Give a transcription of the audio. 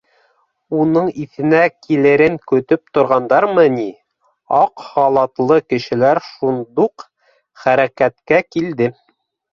Уның иҫенә килерен көтөп торғандармы ни: аҡ халатлы кешеләр шундуҡ хәрәкәткә килде: